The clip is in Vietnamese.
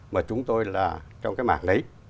mà chúng tôi là trong cái mảng đấy